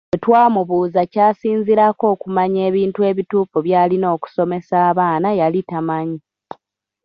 Bwe twamubuuza ky’asinziirako okumanya ebintu ebituufu by’alina okusomesa abaana yali tamanyi.